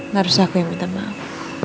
baru aku yang minta maaf